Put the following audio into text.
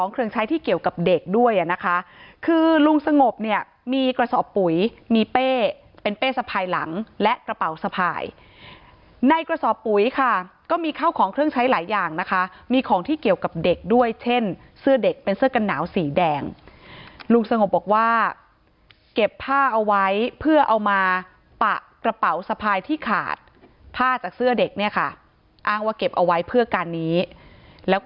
เครื่องใช้ที่เกี่ยวกับเด็กด้วยอ่ะนะคะคือลุงสงบเนี่ยมีกระสอบปุ๋ยมีเป้เป็นเป้สะพายหลังและกระเป๋าสะพายในกระสอบปุ๋ยค่ะก็มีข้าวของเครื่องใช้หลายอย่างนะคะมีของที่เกี่ยวกับเด็กด้วยเช่นเสื้อเด็กเป็นเสื้อกันหนาวสีแดงลุงสงบบอกว่าเก็บผ้าเอาไว้เพื่อเอามาปะกระเป๋าสะพายที่ขาดผ้าจากเสื้อเด็กเนี่ยค่ะอ้างว่าเก็บเอาไว้เพื่อการนี้แล้วก็